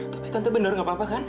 tapi tante bener gak apa apa kan